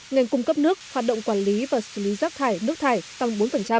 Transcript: ngành cung cấp nước hoạt động quản lý và xử lý rác thải nước thải tăng bốn